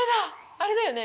あれだよね！